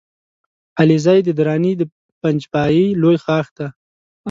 علیزی د دراني د پنجپای لوی ښاخ دی